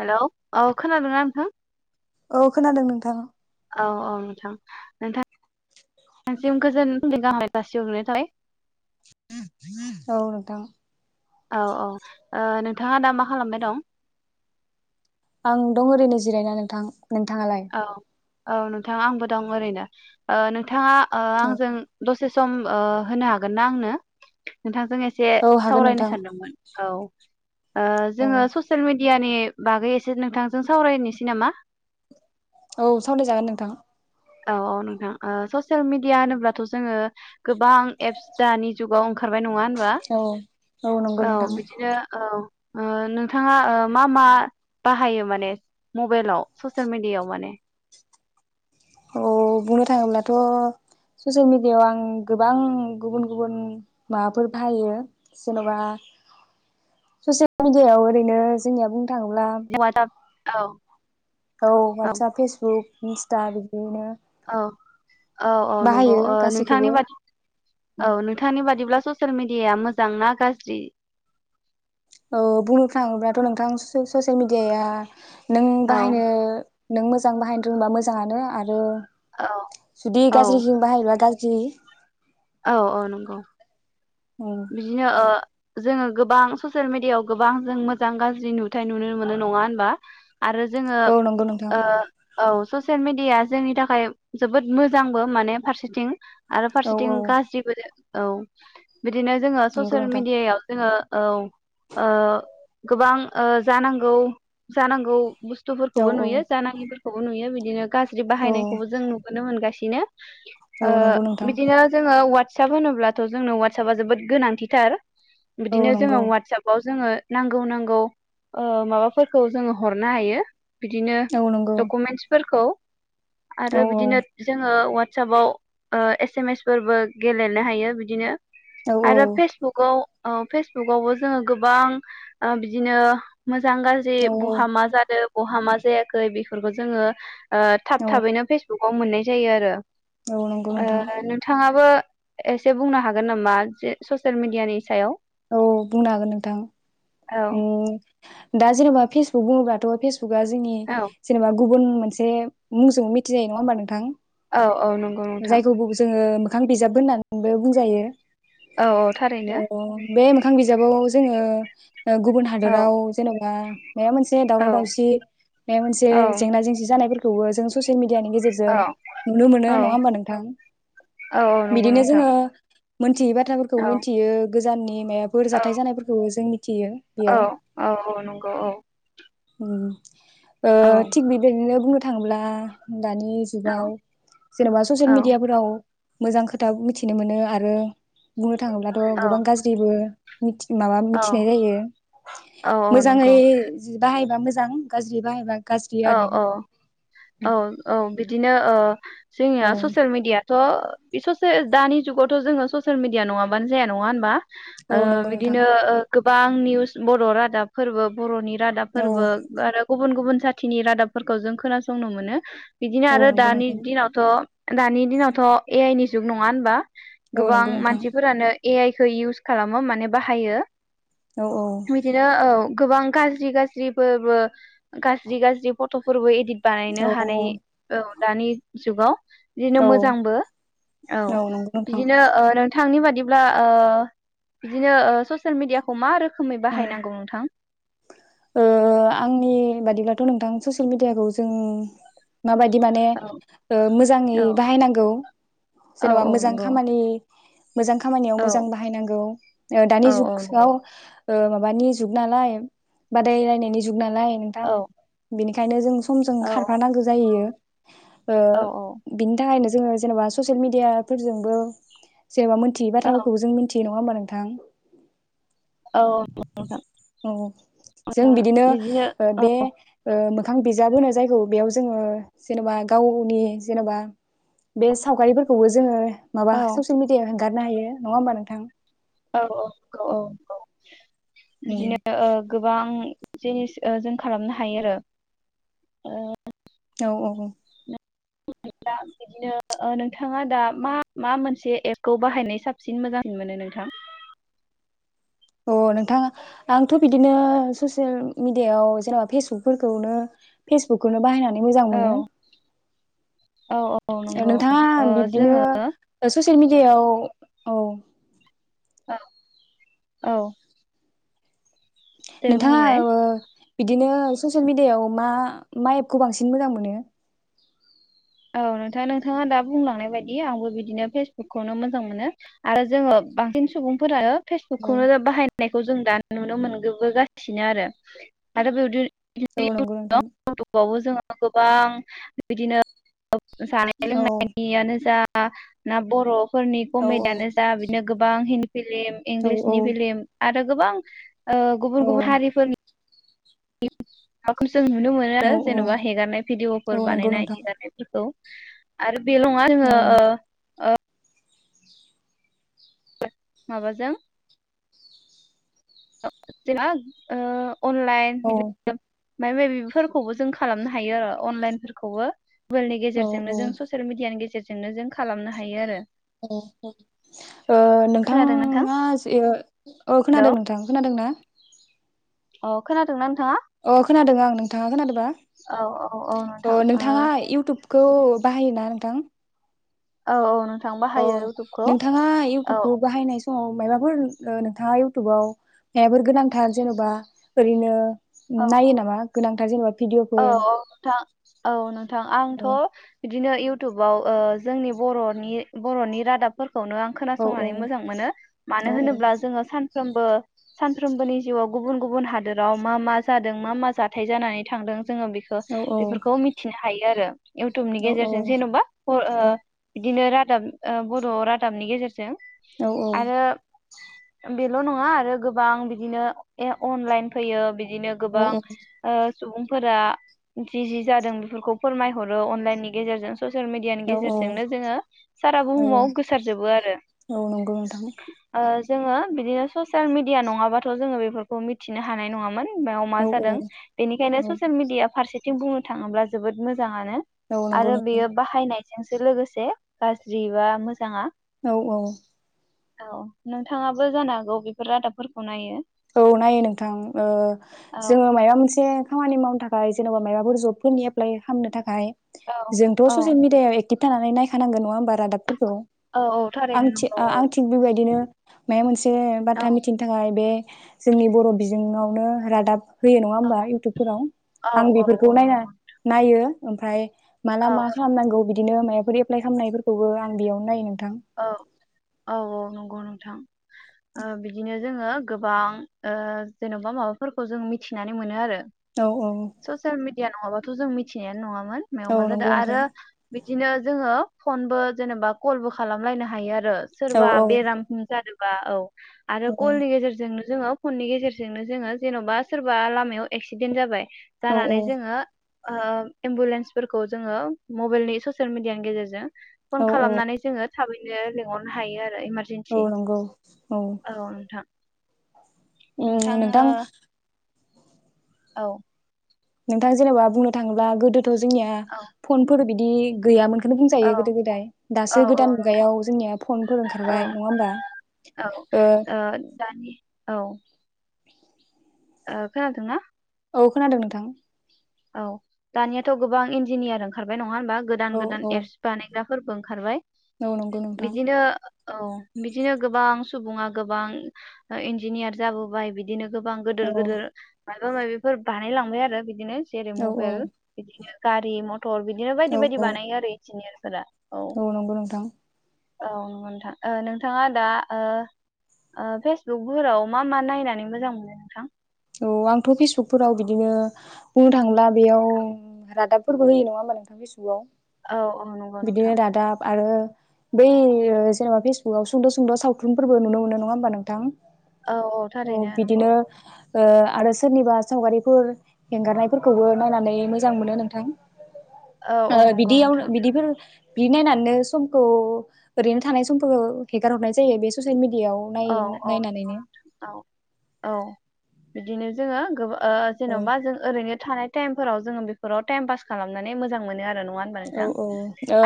हेल' औ खोनादों ना नोंथां? औ खोनादों नोंथां। औ औ नोंथां नोंथां सिम गोजोन [unintelligible] गाहाम हामलायनाय जासि हरनाय थाबाय। औ नोंथां। औ औ ओ नोंथांङा दा मा खालामबाय दं? आं दं ओरैनो जिरायना नोंथां। नोंथाङालाय। औ औ नोंथां आंबो दं ओरैनो ओ नों नोंथाङा ओ औ आंजों दसे। सम ओ- होनो हागोन ना आंनो नोंथां? जों एसे औ हागोन नोंथां सावरायनो सानदोंमोन औ। ओ- औ जोङो ससियेल मिडियानि। बागै एसे नोंथांजों सावरायनोसै नामा? औ सावराय जागोन नोंथां। औ औ नोंथां ओ ससियेल मिडिया होनोब्लाथ जोङो। गोबां एप्स दानि जुगाव ओंख बाय नङा होनबा औ नंगौ औ नोंथां बिदिनो औ। ओ- नोंथाङा ओ मा मा बाहायो माने मबाइलाव ससियेल मिडियाव माने? औ बुंनो थाङोब्लाथ ससियेल मिडियाव आं गोबां गुबुन गुबुन माबाफोर बाहायो जेन'बा ससियेल मिडियायाव ओरैनो जोंनिया बुं थाङोब्ला। वाटसाप औ। औ वाटसाप फेसबुक। इन्स्टा बिदिनो। औ। औ औ नंगौ बाहायो ओ नोंथांनि गासैखौबो बादि औ नोंथांनि बादिब्ला ससियेल मिडि डिया मोजांना गाज्रि? औ बुंनो थाङोब्लाथ' नोंथां स- ससियेल मिडियाया। नों औ बाहायनो। नों मोजां बाहायनो रोंबा मोजाङानो आरो। औ जुदि औ गाज्रिथिं बाहायबा गाज्रि। जि। औ औ नंगौ। बिदिनो ओ। जोङो गोबां ससियेल मिडियायाव गोबां जों मोजां गाज्रि नुथाय नुनो मोनो नङा होनबा? आरो जोङो औ नंगौ नोंथां ओ औ। स'सेयल मिडिया जोंनि थाखाय जोबोद मोजांबो माने फारसेथिं औ थिं औ गाज्रिबो दो औ बिदिनो जोङो नंगौ स'सियेल नोंथां मिडियायाव जोङो औ ओ गोबां ओ जानांगौ जानांगौ बुस औ थुफोरखौबो औ नुयो जानाङि फोर खौबो नुयो बिदिनो। गाज्रि औ बाहायनायखौबो जों नुगोनो मोनगासि इनो औ नंगौ नोंथां। ङो जोङो आटसाफ होनोब्लाथ' जोंनो आटसाबा जोबोद गोनांथिथार। औ बिदिनो जोङो नंगौ आटसाबाव जोङो नांगौ नांगौ ओ माबाफोरखौ जोङो हरनो हायो। बिदिनो औ नंगौ डक'मेन्टसफोरखौ। औ आरो बिदिनो जोङो अ'वाट साबाव ओ एस सेमेस फोरबो गेलेनो हायो बिदिनो औ आरो फेसबुगाव औ फेसबुकआवबो जोङो गोबां ओ बिदिनो मोजां गाज्रि औ बहामा जादो बहा मा जायाखै बेफोरखौ जोङो ओ थाब औ थाबैनो फेसबुक आव मोननाय जायो आरो। औ नंगौ नोंथां। ओ नोंथाङाबो एसे बुंनो हागोन नामा? जे स'सियेल मिडियानि सायाव? औ बुंनो हागोन नोंथां। औ उम दा जेनेबा फेसबुक बुंङोब्लाथ' फेस बुगा जोंनि औ जेनेबा गुबुन मोनसे मुंजों मिथिजायो नङा होमबा नोंथां? औ औ नंगौ नोंथां जायखौ बुग जोङो मो खां बिजाबबो होननानैबो बुंजायो। औ औ थारैनो औ बे मोखां बिजाबाव जोङो ओ गुबुन औ हादराव जेनबा माबा मोनसे औ दावराव दावसि माबा मोनसे औ जेंना जेंसि जानायफोर खौबो जों ससेलमे दियानि गेजेरजों औ नुनो मोनो नङा औ होमबा नोंथां औ नंगौ बिदिनो नोंथां जोङो मोनथियै बाथ्राफोरखौ औ मिथियो। गोजाननि माबाफोर औ जाथाय जानायफोरखौबो जोंनि औ औ औ नंगौ औ। ओम ओ औ थिग बिबायदिनो बुंनो थांब्ला दानि औ जुगाव जेनेबा औ ससियेल मेडियाफोराव मोजां खोथा मिथिनो मोनो आरो बुंनो थाङोब्लाथ' औ गोबां गाज्रिबो मिथि माबा औ मिथि यो औ औ मोजाङै नंगौ जिबा बाहायबा मोजां गाज्रियै बाहायबा गाज्रि औ आरो औ औ औ बिदिनो ओ औ जोंनिया ससियेल मिडिया थ' बे ससे दानि जुगावथ' जोङो ससियेल मिडिया नङाबानो जाया नङा होनबा? ओ औ नंगौ नोंथां बिदिनो ओ गोबां निउस बर' रादाबफोरबो बर'नि औ रादाबफोरबो [unintelligible] गुबुन गुबुन [unintelligible] थिनि रादाबफोरखौ जों खोनासंनो मोनो। बिदिनो औ आरो नंगौ दानि नोंथां दिनावथ' दानि दिनावथ' ए आइ नि जुग नङा होनबा? औ गोबां नंगौ नोंथां मानसिफोरानो ए आइ खौ इउस खालामो माने बाहायो। औ औ बिदिनो औ गोबां गाज्रि गाज्रिफोरबो गा गाज्रि गाज्रि फट'फोरबो इडिद बानायनो औ हानाय औ। दानि जुगाव। बिदिनो औ मोजांबो औ नंगौ नोंथां बिदिनो ओ थांनि बादिब्ला बिदिनो ससियेल मिडियाखौ मा रोखोम रोखोमै औ बाहायनांगौ नोंथां? आंनि बादिब्लाथ' नोंथां ससियेल मिडियाखौ जों माबायदि माने औ मोजाङै औ बाहायनांगौ औ जेन'बा औ मोजां नंगौ खामानि। मोजां खामानियाव औ मोजां बाहायनांगौ औ दानि औ नंगौ जुगाव माबानि जुग नालाय। बदाय लायनायनि जुग नालाय नोंथां औ बिनि बेखायनो जों समजों औ खारफानांगौ जायो। औ बिनि थाखायनो जोङो जेनेबा ससियेल मिडिया फोरजोंबो जेनबा मोनथियै औ बाथ्राफोरखौ जों मिथियो नङा नङा होमबा नोंथां? औ। औ जों बिदिनो बे मोखां बिजाब होनो जायगखौ बेयाव जोङो जेनेबा गावनि जेनेबा बे सावगारिफोरखौबो जोङो माबा औ सयेल मिडिया हगारनो हायो नङा होमबा नोंथां? औ औ औ औ औ। उम बिदिनो गोबां जिनिस जों खालामनो हायो आरो ओ। औ औ औ। मोना बिदिनो नोंथाङा दा मा मा मोनसे एपखौ बाहायनाय साबसिन मोजांसिन मोनो नोंथां? [inaudible] अ नोंथाङा आंथ' बिदिनो ससियेल मिडियायाव जेनेबा फेसबुकफोरखौनो फेसबुकखौनो बाहायनानै मोजां औ मोनो औ औ नंगौ नोंथाङा ओ बिबदिनो जोङो ससियेल मिेडियायाव। औ। औ औ। दे नोंथाङा बुंग्रोनाय ओ बिदिनो ससियेल मिडियायाव मा मा एप खौ बांसिन मोजां मोनो? औ नोंथाङ नोंथाङा दा बुंलांनाय बायदि आंबो बिदिनो फेसबुकखौनो मोजां मोनो आरो जोङो बांसिन सुबुंफोरानो औ फेसबुकखौनो बाहाय नायखौ जों दा नुनो मोनगोबोगासिनो आरो, आरो बेयावदि औ नंगौ नोंथां। जोङो गोबां बिदिनो औ जानाय औ लोंनायनियानो जा आ ना बर' फोरनि औ कमेडआनो जा बिनो गोबां हिन्दी फिलिम, औ औ इंलिसनि फिलिम आरो गोबां ओ औ गुबुन गुबुन हारिफोरनि [unintelligible] जों नुनो मोनो आरो औ औ जेन'बा हेगारनाय भिडिअफोर औ नंगौ बानायनाय नोंथां हेगारनायफोरखौ। आरो बेल' नङा औ जोङो ओ ओ [unintelligible] माबाजों [unintelligible] ओ अनलाइन औ [unintelligible] माइबा मायबिफोरखौबो जों खालामनो हायो आरो अनलाइनफोरखौबो। मबेइलनि औ गेजेरजोंनो जों ससियेल मिडियानि गेजेरजों जोंनो जों खालामनो हायो आरो। [unintelligible] ओ खोनादों नोंथां नोंथाङा ओ औ खोनादो नोंथां। खोनादों ना? अ खोनादोंना नोंथाङा? अ खोनादों आं नोंथाङा खोनादोबा? औ औ औ ओ नोंथां नोंथाङा इउटुबखौ बाहायोना नोंथां? औ औ नों अ नोंथाङा इउटुबखौ बाहायनाय स समाव मायबाफोर नोंथाङा इउटुबाव मायबाफोर गोनांथार जेन'बा ओरैनो औ नायो नामा? गोनांथार जेनेबा औ भिडिअफोर औ नोंथां औ नोंथां आंथ' औ बि दिनो इउटुबाव ओ जोंनि बर'नि बर'नि रादाबफोर खौनो आं औ खोनासंनानै मोजां मोनो, औ मानो होनोब्ला जोङो सान सानफ्रोमबो सानफ्रोमबोनि जिउआव गुबुन गुबुन हादोराव मा मा जादों मा मा जाथाय जानानै थांदों जोङो बेखौ औ बेफोरखौ मिथिनो हायो आरो इउटुबनि औ औ गेजेरजों जेनबा अ ओ औ बिदिनो रा दाब बर' रादाबनि गेजेरजों औ औ आरो बेल' नङा आरो गोबां बिदिनो ए अनलाइन फैयो बि दिनो गोबां ओ सुबुं फोरा जि जि जादों बेफोरखौ फोरमायहरो अनलाइननि गेजेरजों ससियेल मिडियानि औ गेजेरजोंनो जोङो सारा औ बुहुमाव गोसारजोबो आरो औ नंगौ नोंथां जोङो बिदिनो ससियेल मिडिया नङाबाथ जोङो बेफोरखौ मिथिनो हानाय नङामोन मायाव मा औ जादों औ बेनिखायनो औ स मिडिया फारसेथिं बुंनो थाङोब्ला जोबोद मो जाङनो औ नंगौ आरो नोंथां बेयो बाहायनाय जोंसो लोगोसे गाज्रि बा मोजाङा औ औ औ नोंथाङाबो जानो हागौ बेफोर रादाबफोरखौ नायो। औ नायो नोंथां ओ औ जोङो माइबा मोनसे खामानि मावनो थाखाय जेनबा माबाफोर जबफोरनि एप्लाइ खालामनो थाखाय औ जोंथ' औ ससियेल मिडियायाव [unintelligible] थानानै नायखानांगोन नङा होमबा रादाबफोर खौ औ औ आं थारैनो थि नंगौ आं थिग बेबायदिनो माया मोनसे औ बाथ्रा मिथिनो थाखाय बे जोंनि बर' बिजोङावनो रादाब होयो नङा औ होमबा इउटुबफोराव औ आं औ बेफोरखौ औ नायना नायो। ओमफ्राय माला औ मा खालामनांगौ बि दिनो माबाफोर एप्लाइ खालामनायफोरखौबो आं बेयावनो नायङो नों औ औ औ नंगौ नों थां ओ बिदिनो जोङो। गोबां ओ जेनबा माबाफोरखौ जों मिथिनानै मोनो आरो औ औ डिया नङाबाथ' जों मिथिनायानो नङा मोन मायाव औ मा जादों नंगौ नोंथां आरो बिदिनो जोंङो। फनबो जेनेबा कलबो खालामलायनो हायो आरो ओ औ सोरबा औ बेरामसिम जादों बा औ आरो औ कलनि औ गेजेरजोंनो जोङो फननि गेजेरजोंनो जोङो जेनबा सोरबा लामायाव एक्सिडेन्ट जाबाय औ जानानै जोङो ओ एम्बुलेन्सफोरखौ जोङो मबाइलनि ससियेल मिडियानि गेजेरजों फन औ औ खालामनानै जोङो थाबैनो लिंहरनो हायो आरो। औ इमारजेन्सि नोंगौ औ नोंथां ओ औ नोंथां जेनेबा बुंनो थाङोब्ला गोदो थ जोंनिया औ फनफोर बि दि गैयामोन बेखौनो औ बुंजायो गोदो गोदाय औ दासो औ गोदान नोंथां मुगायाव जोंनिया फनफोर औ ओंखारबाय नङा होमबा औ ओ दानि औ ओ खोनादोंना? औ खोनादों नोंथां। औ दानियाथ गोबां इन्जिनियार ओंखारबाय नङा होन बा औ गोदान गोदान औ एप्स बानायग्रा फोरबो ओंखारबाय औ नोंगौ नोंथां बिदिनो औ बिदिनो गोबां सुबुङा गोबां ओ इन्जिनियार जाबोबाय बिदिनो गोबां औ गोदोर औ गोदोर मायबा माबिफोर बानायलांबाय आरो बिदिनो जेरै औ मबेल बिदिनो गारि म थर बिदिनो औ बायदि बायदि बानायो आरो इन्जिनियार औ नंगौ नोंथां औ नोंगौ नोंथां ओ नोंथांया दा ओ ओ फेसबुकफोराव मा मा नायनानै मोजां मोनो नोंथां? औ आंथ फेसबुकफोराव बिदिनो बुंनो थाङोब्ला बेयाव रादाबफोरबो होयो नङा होमबा नोंथां फेसबुकआव? औ औ नंगौ नोंथां आरो बै जेनेबा फेसबुकाव सुंद' सुंद' सावथुनफोरबो नुनो मोनो नङा होमबा नोंथां? औ औ अ थारैनो नंगौ बिदिनो ओ आरो सोरनिबा सावगारिफोर एंगारनायफोरखौबो नायनानै मोजां मोनो नोंथां। औ ओ औ नंगौ बिदि आवनो नोंथां बिदिफोर बिदि नायनानैनो समखौ ओरैनो थानाय समफोखौ हेगार हरनाय जायो बे ससियेल मिडिया इयाव नाय औ औ नायनानैनो। औ औ बिदिनो जोङो गोबां ओ औ जेन'बा जों ओरैनो थानाय टाइमफोराव जोङो बेफोराव टाइम पास खालामनानै मोजां मोनो आरो न' नङा होनबा औ नोंथां औ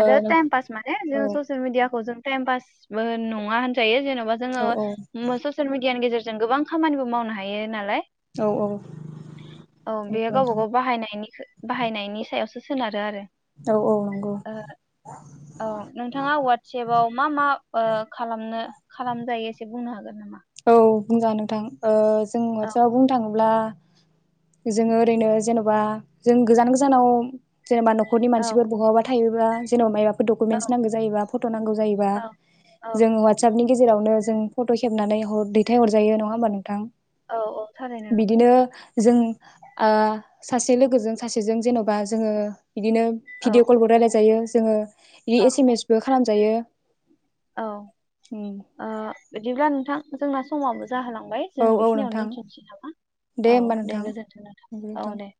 आरो टाइम पास माने ओ जोंङो ससियेल मिडियाखौ जों टाइम पासबो नङा होनजायो जेन'बा जोंङो औ मो ससियेल मिडियाननि गेजेर जों गोबां खामानिबो मावनो हायो नालाय औ औ बेयो गावबागाव बाहायनायनि खो बाहायनायनि सायावसो सोनारो आरो। औ औ नंगौ ओ औ नोंथाङा वाटसेपआव मा मा ओ खालामनो यो इसे बुनो हागोन नामा? औ बुंजागोन नोथां ओ जों औ वात्सापाव बुंनो थाङोब्ला जोङो ओरैनो जेन'बा जों गोजान गोजानाव जेनेबा न'खरनि औ मानसिफोर बहाबा थायो बा जेन'बा माइबाफ फोर औ दकुमेन्टस नांगौ जायोबा फ'ट' नांगौ जायोबा औ औ जों वात्सापनि गेजेरावनो जों फट' खेबनानै खौ दैथाय हरजायो नङा होमबा नोंथां? औ औ थारैनो नंगौ जोंनि ओ सासे लोगोजों सासेजों जेन'बा जोङो बिदिनो औ भिदिअ कलबो रायलाय जायो। जोङो इ औ एसेमेच बो खा खालामजायो। औ ओ बिदिब्ला नों थां जोंना समाबो जाहोलांबाय औ जों औ बेखिनियावनो नोंथां दोनथ'नोसै नामा। औ होमबा दे नोंथां गोजोन्थों नोंथां औ दे।